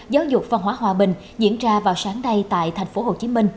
giáo dục văn hóa hòa bình diễn ra vào sáng nay tại tp hcm